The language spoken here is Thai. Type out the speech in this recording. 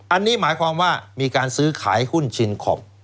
อันนี้หมายความว่ามีการซื้อขายหุ้นชินคอป